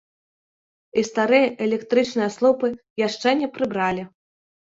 І старыя электрычныя слупы яшчэ не прыбралі.